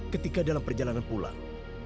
ketika dalam perjalanan pulang